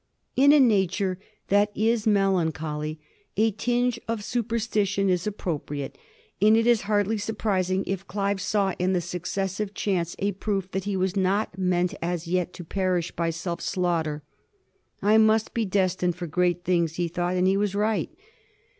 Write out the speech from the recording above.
In a nature that is mel ancholy a tinge of superstition is appropriate, and it is hardly surprising if Clive saw in the successive chance a proof that he was not meant as yet to perish by self slaughter. "I must be destined for great things," he thought, and he was right.